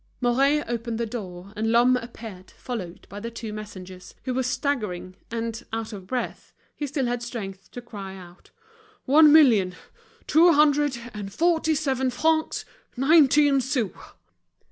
Mouret opened the door, and Lhomme appeared, followed by the two messengers, who were staggering; and, out of breath, he still had strength to cry out: "One million two hundred and forty seven francs, nineteen sous!"